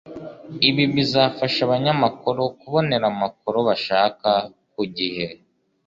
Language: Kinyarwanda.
Ibi bizafasha abanyamakuru kubonera amakuru bashaka ku gihe